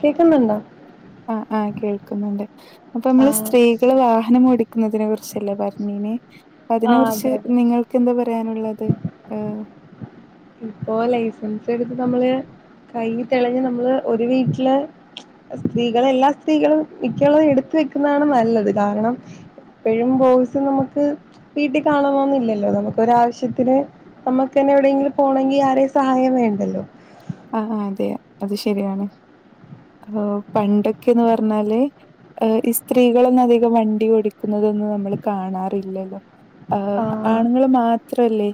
കേക്കുന്നുണ്ടോ ആഹ ആഹ കേൾക്കുന്നുണ്ട് അപ്പൊ നമ്മള് ആഹ് സ്ത്രീ വാഹനം ഓടിക്കുന്നതിനെ കുറിച്ചല്ലേ പർഞ്ഞിനിഅതിനെ ആഹ് കുുറിച്ച് അതെ അതെ നിങ്ങൾക്ക് എന്താ പറയാനുള്ളത് ഇപ്പോൊ ലൈസൻസ് എടുത്ത് നമ്മള് കൈ തെളിഞ്ഞഞ് നമ്മള് ഒരു വീട്ടില് സ്ത്രീകളെ എല്ലാ സ്ത്രീകളും മിക്കുള്ളത് എടുത്ത വെക്കുന്നതാണ് നല്ലത് കാരണം എപ്പോഴും ബോയ്സ് നമുക്ക് വീട്ടിൽ കാണണന്നില്ലല്ലോ നമുക്ക് ഒരാവശ്യത്തിന് നമുക്ക്ന്നെ എവിടെയെങ്കിലും പോണെങ്കിൽ ആരേ സഹായം വേണ്ടല്ലോ ആഹ ആ ഹ'അതെ അത് ശരിയാണ് ആ പണ്ടൊക്കെന്ന് പറഞ്ഞാല് ഈ സ്ത്രീകളൊന്നും അധികം വണ്ടി ഓടിക്കുന്നതൊന്നും നമ്മൾ കാണാറില്ലല്ലോ ആഹ ആഹ ആഹ് ങ്ങ മാത്രല്ലേ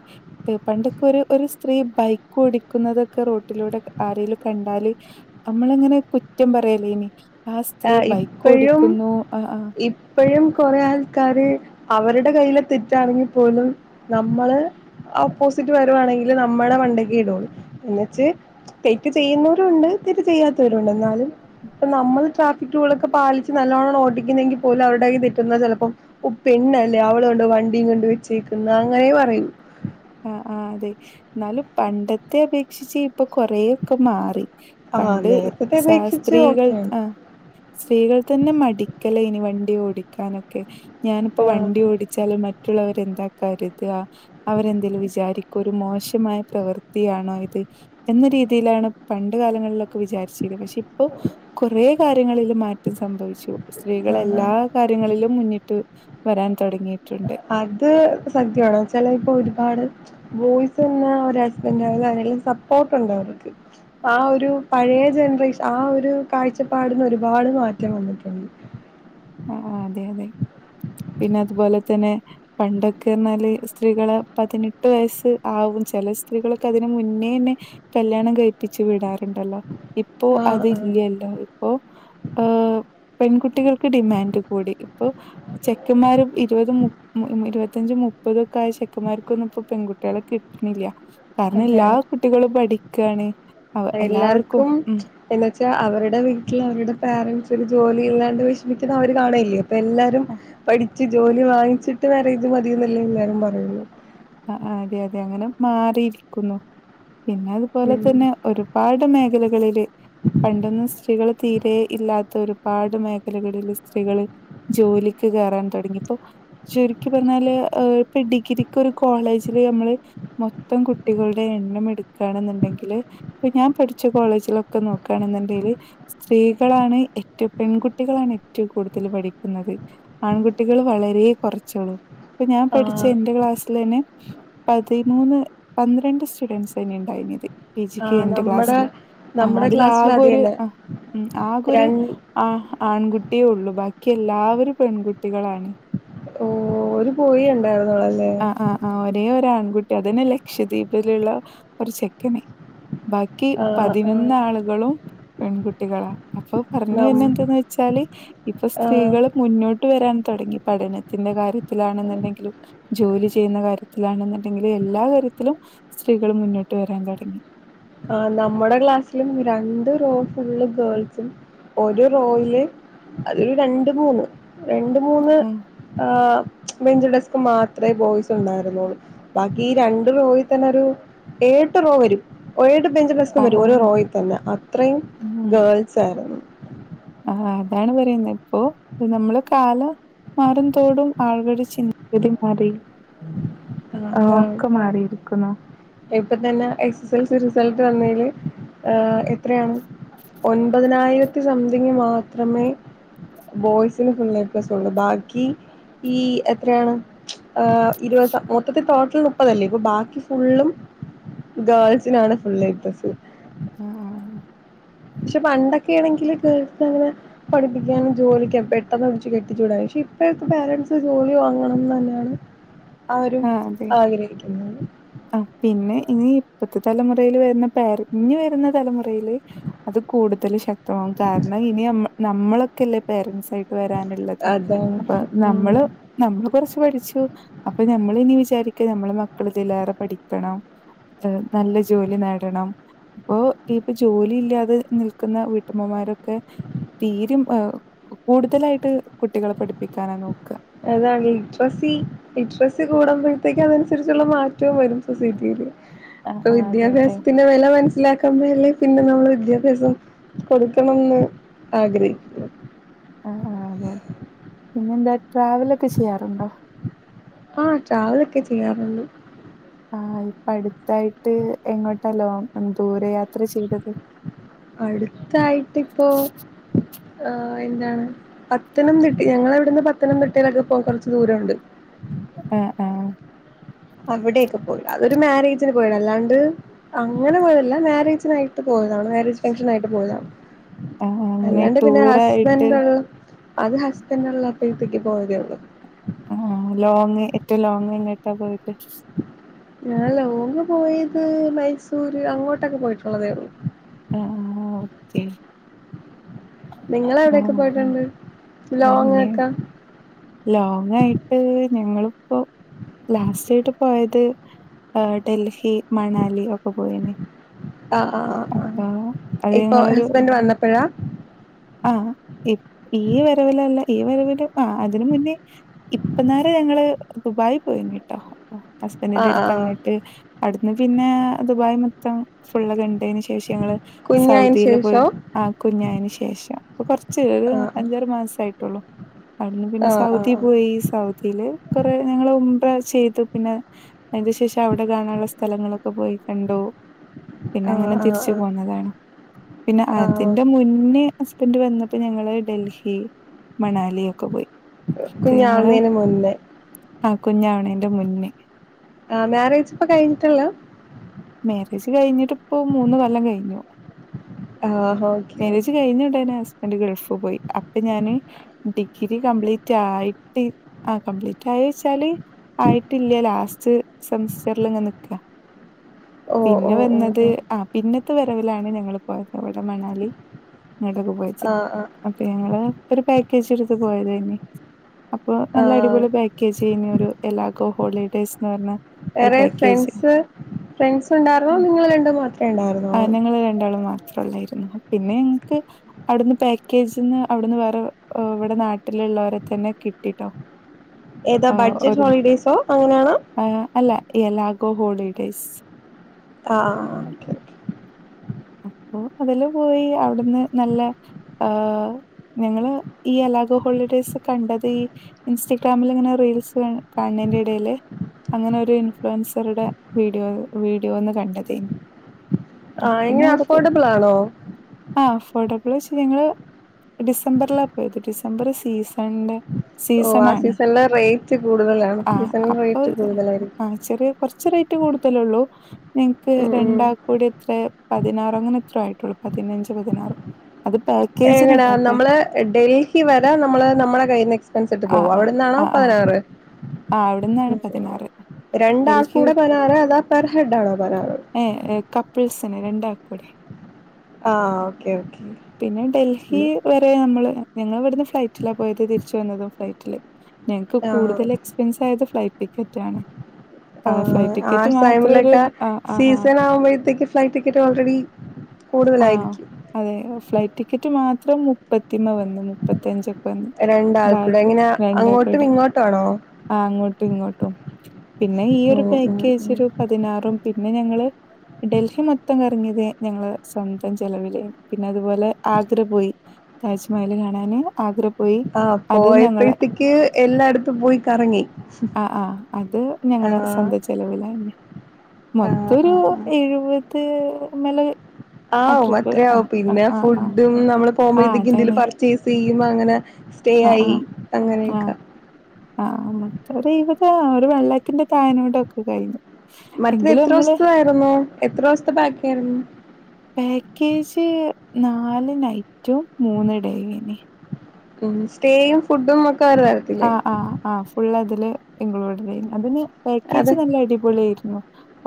പണ്ടൊക്കെ ഒരു സ്ത്രീ ബൈക്ക് ഓടിക്കുന്നതൊക്കെ റോട്ട ട്ടിലൂടെ ആരേലും കണ്ടാല് നമ്മളങ്ങനെ കുറ്റം പറയലേ ഇനി ആ സ്ത്രീ ആഹ് ബൈക്ക് ഇപ്പഴും ഓടിക്കുന്നു ആ ഇപ്പഴും കുറെേ ആൾക്കാര് അവരുടെ കൈയില തെറ്റാണെങ്കിൽപ്പോലും നമ്മള് ഓപ്പോസിറ്റ് വരുവാണെങ്കില് നമ്മുടെ വണ്ടയ്ക്ക് ഇടുളൂ എന്ന വച്ച തെറ്റ് ചെയ്യുന്നവരും ഉണ്ട് തെറ്റ് ചെയ്യാത്തവരുുംണ്ട് എന്നാലും ഇ നമ്മള് ട്രാഫിൂളൊക്കെ പാലിച്ച് നല്ലവണം ഓട്ടിക്കുന്നതങ്കിൽ പോലും അവരുടെയയ് തെറ്റുന്ന ചിലപ്പം ഓ പെണ്ണല്ലേ അവള കൊണ്ട് വണ്ടിയും കൊണ്ട് വെച്ചേക്കുന്ന അങ്ങനെ പറയൂ ആ ഹ ആഹ അതെ എന്നാലും പണ്ടത്തെ അപേക്ഷിച്ച് ഇപ്പൊ കൊറയൊക്കെ മാറി ആഹ് പണ്ട് നേരത്തത്തെ അപേക്ഷിച്ച് ശാസ്ത്രീകൾ ഓക്കെയാണ് ആഹ സ്ത്രീകൾ തന്നെ മടിക്കലേയിനി വണ്ടി ഓടിക്കാനൊക്കെ ഞാനിപ്പോ ആഹ് വണ്ടി ഓടി മറ്റുള്ളവരെ എന്ത കരുത് അവന്ത ഇതിൽ വിചാരിക്ക ഒരു മോശമായ പ്രവൃത്തിയാണോ ഇത് എന്ന രീതിയിലാണ് പണ്ട് കാലങ്ങളിലൊക്കെ വിചാരിച്ചത് പക്ഷെ ഇപ്പോ കുറേ കാര്യങ്ങളിൽ മാറ്റം സംഭവിച്ചു സ്ത്രീകൾ ആഹ് എല്ലാ കാര്യങ്ങളിലും മുന്നിട്ട് വരാൻ തുടങ്ങിയിട്ടുണ്ട് അത് സദ്യയമാണെച്ചാ ഇപ്പൊ ഒരുപാട് ബോയ്സ്ന്ന് ഒരു ഹസ്ബൻഡ ആവ ആല്ലും സപ്പോർട്ട്ണ്ട് അവർക്ക് ആ ഒരു പഴയ ജനറേഷൻ ആ ഒരു കാഴ്ചപ്പാടിന് ഒരുപാട് മാറ്റം വന്നിട്ടുണ്ട് ആഹ് അതെ അതെ പിന്നെ അതുപോലെ തന്നെ പണ്ടൊക്കപറഞ്ഞാല് സ്ത്രീകള്പതിനെട്ട് വയസ്സ് ആവും ചില സ്ത്രീകളൊക്കെ അതിന് മുന്നേന്നെ കല്യാണം കഴിപ്പിച്ച് വിടാറുണ്ടല്ലോ ഇപ്പോ ആഹ് ആഹ് അതില്ലല്ലോ ഇപ്പോ ഹ് പെൺകുട്ടികൾ ഡിമാൻഡ് കൂടി ഇപ്പൊ ചെക്കമാരും ഇരുപത് മു ഇരുപത്തിഞ്ച മുപ്പതൊക്കെ ആയ ചെക്കന്മാർക്കൊന്നും ഇപ്പൊ പെൺകുട്ടികളൊക്കെ കിട്ടുന്നില്ല കാരണം എല്ലാ അതാണ് കുട്ടികളും പഠിക്കയാണ് അവ എല്ലാവർക്കും ഉം എന്ന വെച്ചാൽ അവരുടെ വീട്ടിൽ അവരുടെ പോരൻറ്സ് ഒരു ജോലി ഇല്ലാണ്ട് വിഷമിക്കുന്ന അവര് കാണല്ലയോ അപ്പ എല്ലാരും പഠിച്ച് ജോലി വാങ്ങിച്ചിട്ട് വേറെ ഇത് മതിയന്നല്ലേ എല്ലാരും പറയുന്നു ആഹ് അതെ അതെ അങ്ങനെ മാറിയിരിക്കുന്നു പിന്നെ അതുപോലെ ഉം തന്നെ ഒരുപാട് മേഖലകളില് പണ്ടൊന്നും സ്ത്രീകള് തീരെ ഇല്ലാത്ത ഒരുപാട് മേഖലകളില് സ്ത്രീകള് ജോലിക്ക് കയറാൻ തുടങ്ങി ഇപ്പോൊ ചുരുക്കി പറഞ്ഞാല് ഇപ്പൊ ഡിഗ്രി ഇപ്പൊ ഒരു കോളേജില് നമ്മള് മൊത്തം കുട്ടികളുടെ എണ്ണം എടുക്കുകയാണെന്നുണ്ടെങ്കില്... ഇപ്പൊ ഞാൻ പഠിച്ച കോളേജിലൊക്കെ നോക്കുകയാണെന്നുണ്ടെങ്കില്... സ്ത്രീകളാണ് ഏറ്റവും പെൺകുട്ടികളാണ് ഏറ്റവും കൂടുതൽ പഠിക്കുന്നത്. ആൺകുട്ടികൾ വളരെ കുറച്ചേള്ളൂ. ഇപ്പൊ ഞാൻ പഠിച്ച ആഹ് എന്റെ ക്ലാസ്... തന്നെ പതിമൂന്ന് പന്ത്രണ്ട് സ്റ്റുഡന്റ്സ് തന്നെ ഉണ്ടായിരുന്നുത്. പി ജിക്ക് ആഹ് എന്റെ നമ്മടെ ക്ലാസ്സില്, ആഹ് നമ്മടെ അതിൽ ക്ലാസ്സിൽ അത് ആകൊര് തന്നെ ഉം, ആകൊര്... രണ്ട് ആഹ്, ആൺകുട്ടിയേ ഉള്ളു, ബാക്കി എല്ലാവരും പെൺകുട്ടികളാണ്. ഓര് പോയി ണ്ടായിന്നോള അല്ലേ? ആഹ് ആഹ്, ഒരേ ഒരു ആൺകുട്ടി. അതെന്നെ ലക്ഷദ്വീപിലുള്ള ഒരു ചെക്കന് ബാക്കി... ബാക്കി ആഹ് ആഹ് പതിനൊന്നാളുകളും പെൺകുട്ടികളാ. അപ്പൊ പറഞ്ഞു നം വരുന്ന എന്തെന്ന് വെച്ചാല്, ഇപ്പൊ ആഹ് സ്ത്രീകള്... മുന്നോട്ട് വരാൻ തുടങ്ങി. പഠനത്തിന്റെ കാര്യത്തിലാണെന്നുണ്ടെങ്കിലും, ജോലി ചെയ്യുന്ന കാര്യത്തിലാണെന്നുണ്ടെങ്കിലു എല്ലാ കാര്യത്തിലും സ്ത്രീകൾ മുന്നോട്ട് വരാൻ തുടങ്ങി. ആഹ് നമ്മടെ ക്ലാസ്സിലും രണ്ട് റോൾസ് ഫുള്ള് ഗേൾസും, ഒരു റോയില് അതില് രണ്ട് മൂന്ന്, രണ്ട് മൂന്ന്... ആഹ് ആഹ് വെഞ്ചു ഡസ്ക് മാത്രമേ ബോയ്സ് ഉണ്ടായിരുന്നുള്ളു. ബാക്കി രണ്ട് റോയിൽ തന്നെ ഒരു എഴ് ഏട്ട് റോ വരും. ഏഴ് ഏട്ട് ബെഞ്ചും ഡസ്കും ആഹ് വരും ഒരു ആഹ് റോയിൽ തന്നെ, അത്രയും ഉം ഗേൾസ് ആയിരുന്നു. ആഹ്, അതാണ് പറയുന്നത് ഇപ്പൊ നമ്മള് കാലം... മാറുംന്തോടും ആളുകളുടെ ചിന്താഗതി മാറി. ആഹ്, അതാണ് ഒക്കെ മാറിയിരിക്കുന്നു. ഇപ്പൊ തന്നെ എസ് എസ് എൽസി റിസൾട്ട് വന്നീല് ഏഹ് എത്രയാണ്? ഒൻപതിനായിരത്തി സംതിങ് മാത്രമേ ബോയ്സിന് ഫുള്ള് എ പ്ലസ് ഉള്ളൂ. ബാക്കി... ഈ എത്രയാണ്? ഇരുപത് മൊത്തത്തിൽ ടോട്ടൽ മുപ്പതല്ലേ ഇപ്പൊ ബാക്കി ഫുള്ളും... ഗേൾസിനാണ് ഫുള്ള് എ പ്ലസ്സ്. ഉം ഉ ഉ. പക്ഷെ പണ്ടൊക്കെ ആണെങ്കില്, ഗേൾസ് അങ്ങനെ... പഠിപ്പിക്കാനും ജോലിക്ക പെട്ടെന്ന് പിടിച്ച് കെട്ടിച്ചുടാനും, പക്ഷേ ഇപ്പോഴത്തെ പേരൻസ് ജോലി വാങ്ങണംന്ന് തന്നെയാണ്. ആരും ആഗ്രഹിക്കുന്നുണ്ട്. ആ, പിന്നെ ഇനി ഇപ്പത്തെ തലമുറയില് വരുന്ന പാര ഇനി വരുന്ന തലമുറയില്... അത് കൂടുതലും ശക്തമാവും. കാരണം ഇനി നമ്മളൊക്കെല്ലേ പേരൻസ് ആയിട്ട് വരാന്. അതാണ് അപ്പ ഉം നമ്മള് നമ്മള് കൊറച്ച് പഠിച്ചു... അപ്പൊ നമ്മള് ഇനി വിചാരിക്ക നമ്മള് മക്കള് ഇതിലേറെ പഠിക്കണം... ഹ, നല്ല ജോലി നേടണം. ഇപ്പൊ പ്പൊ ജോലി ഇല്ലാതെ നിൽക്കുന്ന വീട്ടമ്മമാരൊക്കെ. തീരിം ഹ കൂടുതലായിട്ട് കുട്ടികളെ പഠിപ്പിക്കാനാ നോക്ക. അതാണ് ഇന്ററസി... ഇൻട്രസ്സ്റ്റ് കൂടുമ്പോഴത്തേക്ക് അതനുസരിച്ചുള്ള മാറ്റവും വരും സൊസൈറ്റിയില്. ആഹ് ആഹ് അതെ അതെ വിദ്യാഭ്യാസത്തി പിന്നെ വെല മനസ്സിലാക്കാൻ മേലേ, പിന്നെ നമ്മൾ വിദ്യാഭ്യാസം കൊടുക്കണംന്ന് ആഗ്രഹിക് ആഹ ആഹ് അതെ, പിന്നെന്താ ട്രാവലൊക്കെ ചെയ്യാറുണ്ടോ? ആഹ, ട്രാവലൊക്കെ ചെയ്യാറുണ്ട്. ആഹ്, ഇപ്പ അടുത്തായിട്ട് എങ്ങോട്ട ലോ ദൂര യാത്ര ചെയ്തത്? അടുത്തായിട്ട് ഇപ്പോ? ആ പിന്നെ, പത്തനംതിട്ടി ഞങ്ങള ഇവിടുന്ന് പത്തനംതിട്ടയിലൊക്കെ പോകാൻ കൊറച്ച് ദൂരം ഉണ്ട്. ആഹ ആഹ. അവിടെയൊക്കെ പോയി, അതൊരു മാരേജിന് പോയിത. അല്ലാണ്ട്? അങ്ങനെ പോയതല്ല, മാരേജിനായിട്ട് പോയതാണ്, മാരേജ് ഫംഗ്ഷന ആയിട്ട് പോയതാണ്. ആഹ് ആഹ് അങ്ങനെ അല്ലാണ്ട് പിന്നെ ടൂറായിട്ട് ഹസ്ബന്റ്... അത് ഹാസ്ബാൻ്റെ ഒള്ളാപ്പാത്തേക്ക് പോയതേ ഒള്ളൂ ആഹ് ലോങ്ങ് ഏറ്റോം ലോങ് എയിന്ട പോയത്. ഞാൻ ലോങ്ങ് പോയത് മൈസൂര് അങ്ങോട്ടൊക്കെ പോയിട്ടാതോ ഒള്ളു ആഹ് ആഹ് ഓക്കെ നിങ്ങള് എവിടെക്കെ പോയിട്ട് ആഹ് ഇണ്ട് ലോങ്ങ്ക്കാ ലോങ് ആയിട്ട് ഞങ്ങള് പ്പോ ലാസ്റ്റ് ആയിട്ട് പോയത് യെ ഡെൽഹി, മണാലി ഒക്കെ പോയിന്. ആഹ് ആഹ് ആഹ് ആഹ് അപ്പൊ അത് ഇപ്പൊ ഞങ്ങളൊരു ഹാസ്ബെൻഡ് വന്നാപ്പോഴാ. ആഹ് ഈ വെരവിലാല്ല ഈ വെരവില് ആഹ് അതിന് മുന്നേ ഇപ്പാ നേരം ഞങ്ങള് ദുബായി പോയിര്ന്നോട്ടേ. ഹസ്ബെൻഡിന്റെ ആഹ് അട്ത്ത് ആഹ് അങ്ങട്ട് അട്ന്ന് പിന്നെ ദുബായി മൊത്തം ഫുള്ള് കണ്ടേന് ശേ ശേഷങ്ങാള് കുഞ്ഞായന് സൗദില് പോയി ശേഷോ ആഹ് കൂഞ്ഞായ്ന് ശേഷം. ഇപ്പേ കൊറച്ച് ഒര് ആഹ് അഞ്ചാറ് മാസായിട്ടോ ഒള്ളു അവട്ന്ന് പിന്നെ ആഹ് സൗദി ആഹ് പോയി സൗ പിന്നെ കൊറെ ഞങ്ങള് ഉംറ ചെയ്തു പിന്നെ അയിന് ശേഷം അവടെ കാണാനോള്ള സ്ഥലങ്ങളൊക്കെ പോയി കണ്ടു. പിന്നെ അങ്ങനെ ആഹ് ആഹ് തിരിച്ച് ആഹ് പോന്നതാണ് പിന്നെ ആഹ് അതിന്റെ മുന്നേ. ഇണ്ട് വന്നപ്പോ ഞങ്ങള് ഡെൽഹി മണാലി ഒ ക്ക് പോയി അത് ഞങ്ങള് കുഞ്ഞാവുന്നതിന് മുന്നേ ആഹ് കുഞ്ഞാവണേന്റെ മുന്നേ. ആഹ് മാരേജ് ഇപ്പം കഴിഞ്ഞിട്ടൊളു മാര്യേജ് കഴിഞ്ഞിട്ട് ഇപ്പോ മൂന്ന് കൊല്ലം കഴിഞ്ഞു ആഹ് ഓക്കെ ഓക്കെ മാര്യേജ് കഴിഞ്ഞുടനെ ഹസ്ബന്റ് ഗൾഫ് പോയി അപ്പ ഞാന് ഡിഗ്രി കംപ്ലീറ്റ് ആയിട്ട് ആഹ് കംപ്ലീറ്റ് ആയോന്ന് വെച്ചാല് ആയിട്ടില്ല്യ ലാസ്റ്റ് സെമസ്റ്ററിൽ ഇങ്ങ് നിക്ക ഓ പിന്നെ ഓ ഓ വന്നത് ഓ ആഹ് പിന്നത്തെ വരാവിലാണ് ഞങ്ങള് പോയത് അവടെ മണാലി ഇങ്ങോട്ടക്കെ പോയാച്ച് ആഹ് ആഹ് അപ്പൊ ഞങ്ങള് ഒരു പാക്കേജ് എടുത്ത് പോയതാനി അപ്പൊ നല്ല ആഹ് അടിപൊളി പാ ചെയുന്നെ ഒരു [unintelligible] ഹോളിഡേയ്സ് എന്ന് പറഞ്ഞാ വേറെ ഫ്രണ്ട്സ് ഫ്രണ്ട്സ് ഉണ്ടാരുന്നോ നിങ്ങള് രണ്ടും മാത്രേ ആഹ് ഇണ്ടാറ്ന്നോള്ളേ ഞങ്ങള് രണ്ടാളും മാത്രം [unintelligible] പിന്നെ ഞങ്ങക്ക് അവ്ട്ന്ന് പാക്കേജ്ന്ന് അവ്ട്ന്ന് വേറെ ഇവിടെ നാട്ടിലുള്ളവരെ തന്നെ കിട്ടീട്ടോ ഏതാ ബഡ്ജെറ്റ് ഹോളിഡേയ്സോ അങ്ങനെ ആണോ ആഹ് അല്ല എല്ലാഗോ ഹോളിഡേയ്സ് ആഹ് [inaudible] അപ്പൊ അതില് പോയി അവ്ട്ന്ന് നല്ല ആഹ് ഞങ്ങള് ഈ അലാഗോ ഹോളിഡേയ്സ് കണ്ടത് ഇൻസ്റ്റാഗ്രാമില് ഇങ്ങനെ റീൽസ് കാണുന്നേന്റെ ഇടയില് അങ്ങനെ ഒരു ഇൻഫ്ലുവൻസറുടെ വീഡിയോ വീഡിയോ ഒന്ന് കണ്ടതേ ആഹ് എങ്ങനെ അഫോർഡബിളാണോ ആഹ് അഫോർഡബിള് വെച്ച് ഞങ്ങള് ഡിസംബറിലാ പോയത് ഡിസംബർ സീസൺ ഇണ്ട് ഓ സീസൺ ആ ആണ് സീസണില് റേറ്റ് കൂടുതലാണ് ആഹ് സീസണിൽ അപ്പൊ റേറ്റ് കൂടുതലായിരിക്കും ആഹ് ചെറിയ കുറച്ച് റേറ്റ് കൂടുതലേ ഉള്ളൂ ഞങ്ങക്ക് ഉം ഉം രണ്ടാൾക്കൂടി എത്ര പതിനാറ് അങ്ങനെ എത്ര ആയിട്ടൊള്ളൂ പതിനഞ്ച്, പതിനാറ് അത് പാക്കേജിന് എങ്ങനാ ട്ടോ അപ്പേ നമ്മള് ഡൽഹി വരെ നമ്മള് നമ്മടെ കയ്യിന്ന് എക്സ്പെൻസ് ഇട്ട് ആ പോകും ആ അവ്ട്ന്നാണോ ആ ആ പതിനാറ് ആ അവിടുന്നാണ് പതിനാറ് ഡൽഹി രണ്ടാൾക്കൂടെ പതിനാറ് അതോ പെർ ഹെഡ് ആണോ പതിനാറ് ഏഹ് കപ്പിൾസിന് രണ്ടാൾക്കൂടെ ആഹ് ഓക്കേ ഓക്കേ വേറെ നമ്മള് ഞങ്ങള് ഇവ്ട്ന്ന് ഫ്ലൈറ്റിലാ പോയത് തിരിച്ച് വന്നതും ഫ്ലൈറ്റില് ഞങ്ങക്ക് ആ കൂടുതല് [unintelligible] ഫ്ലൈറ്റ് ടിക്കറ്റ് ആണ് ആഹ് ഫ്ലൈറ്റ് ആ ടിക്കറ്റ് മാത്രം ഒരു ടൈമിലൊക്കെ ആഹ് ആഹ് ആഹ് [unintelligible] ഫ്ലൈറ്റ് ടിക്കറ്റ് ഓൾറെഡി ആഹ് കൂടുതലായിരിക്കും അതെ ഫ്ലൈറ്റ് ടിക്കറ്റ് മാത്രം മുപ്പത്തിമ്മേ വന്നത് മുപ്പത്തിയഞ്ചൊക്കെ രണ്ടാൾക്കൂടെ എങ്ങനെ അങ്ങോട്ടും [unintelligible] ഇങ്ങോട്ടാണോ ആഹ് അങ്ങോട്ടും ഇങ്ങോട്ടും പിന്നെ ഈ ഒരു ഉം ഉം പാക്കേജ് ഉം ഒരു പതിനാറും പിന്നെ ഞങ്ങള് ഡൽഹി മൊത്തം കറങ്ങിയത് ഞങ്ങള് സ്വന്തം ചിലവില് പിന്നെ അതുപോലെ ആഗ്ര പോയി താജ്മഹൽ കാണാന് ആഗ്ര പോയി ആഹ് അത് ഞങ്ങള് പോയപ്പഴുത്തേക്ക് എല്ലായിടത്തും പോയി കറങ്ങി ഞങ്ങള് ആഹ് സ്വന്തം ചിലവിലെ ആഹ് മൊത്തൊരു ആഹ് ആഹ് എഴുവത് ആഹ് അത്രയാവും പിന്നെ ആഹ്, ആഹ്. ഫുഡും നമ്മള് പോവുമ്പോ ആഹ് എന്തേലും അതാണ്. പർച്ചേസ് ചെയ്യും അങ്ങനെ സ്റ്റേ ആഹ് ആയി ആഹ് ആഹ് അങ്ങനെയൊക്കെ ആഹ് മൊത്തൊരു എഴുപത് ആഹ് ഒരു [unintelligible] ഒക്കെ കഴിഞ്ഞു. മറ്റത് എങ്കിലും എത്ര നമ്മള് ദിവസത്തായിരുന്നു എത്ര ദിവസത്തെ പാക്കിങ് ആയിരുന്നു പാക്കേജ് നാല് നൈറ്റും മൂന്ന് ഡേ യും [unintelligible] ഉം സ്റ്റേയും ഫുഡും ഒക്കെ [unintelligible] ആഹ് ആഹ് ആഹ് ഫുള് അതില് ഇൻക്ലൂഡഡയ്നി അതിന് അത് പാക്കേജ് നല്ല അടി വുളീർന്നു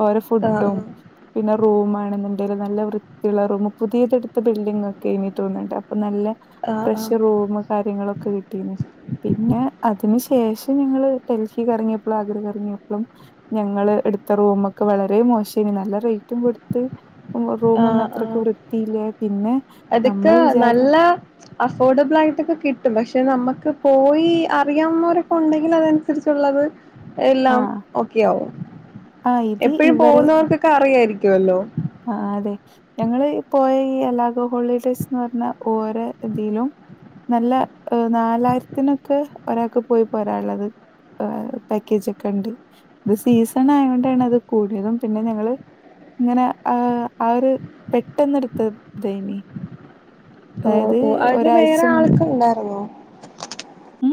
ഓരോ ആഹ് ഫുഡും ആഹ് പിന്നെ റൂമാണെന്നുണ്ടേലും നല്ല വൃത്തിള്ള റൂം പുതിയത്ടുത്ത ബിൽഡിംഗ ഒക്കെ അയ്നി തോന്നുണ്ട് അപ്പൊ നല്ല ആഹ് ആഹ് പ്രഷർ റൂം കാര്യങ്ങളൊക്കെ കിട്ടീന് പിന്നെ അതിന് ശേഷം ഞങ്ങള് ഡൽഹി കറങ്ങിയപ്പോളും ആഗ്ര കറങ്ങിയപ്പോളും ഞങ്ങള് ഇടുത്ത റൂമ ഒക്കെ വളരെ മോഷെയനി നല്ല റയ്റ്റും കൊടുത്ത് റൂമൊന്നും ആഹ് അത്രക്ക് ആഹ് വൃത്തിയില്ല പിന്നെ അതൊക്കെ നമ്മള് വിചാരി നല്ല അഫോർഡബിൾ ആയിട്ടൊക്കെ കിട്ടും പക്ഷെ നമുക്ക് പോയി അറിയാവുന്നരൊക്കെ ഉണ്ടെങ്കിൽ അത തിറച്ചുള്ളത് എല്ലാം ആഹ് ഓക്കെ ആവും ആഹ് ഇത് എപ്പഴും ഇവരെ പോന്നവർക്ക് ക്കറിയായിരിക്കുവല്ലോ ആഹ് അതെ ഞങ്ങള് പോയ ഈ അലാഗോ ഹോളിഡേസ് ന്ന പറഞ്ഞാ ഓരോ ഇതീലും നല്ല ഹ് നാലായിരത്തിനൊക്കെ ഒരാക്ക് പോയി പോരാള്ളത് ഏഹ് പാക്കേജ് ഒക്കെ ഇണ്ട് ഇത് സീസൺ ആയൊണ്ടാണ് അത് കൂടിയതും പിന്നെ ഞങ്ങള് ഇങ്ങനെ ആഹ് ഒരു പെട്ടെന്ന് ഇടുത്ത ദൈയ്നി ഓ ഓ അവര് ഒരാഴ്ച വേറെ മുന്നേ ആൾക്ക ണ്ടായിരുന്നോ ഉം